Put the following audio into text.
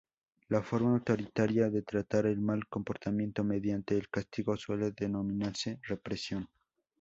La forma autoritaria de tratar el mal comportamiento mediante el castigo suele denominarse represión.